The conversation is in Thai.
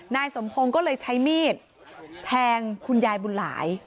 นายสมพงศ์ก็เลยใช้มีดแทงคุณยายบุญหลาย